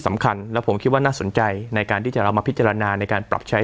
สำคัญและผมคิดว่าน่าสนใจในการที่จะเอามาพิจารณาในการปรับใช้